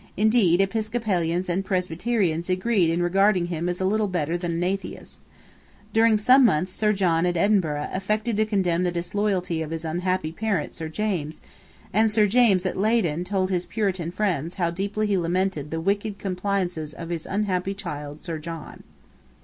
Indeed Episcopalians and Presbyterians agreed in regarding him as little better than an atheist. During some months Sir John at Edinburgh affected to condemn the disloyalty of his unhappy parent Sir James; and Sir James at Leyden told his Puritan friends how deeply he lamented the wicked compliances of his unhappy child Sir John.